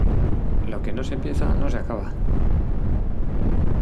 Lo que no se empieza, no se acaba.